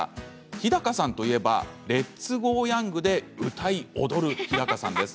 日高さんといえば「レッツゴーヤング」で歌い踊る日高さんです。